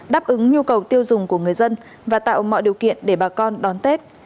đáp ứng nhu cầu tiêu dùng của người dân và tạo mọi điều kiện để bà con đón tết